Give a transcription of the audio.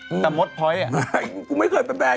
แล้วมาอยู่นี่เหรอ